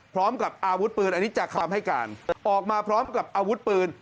พร้อมกับอาวุธปืนอันนี้จากคำให้การออกมาพร้อมกับอาวุธปืน